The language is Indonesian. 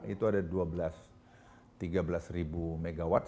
itu ada dua belas tiga belas ribu megawatt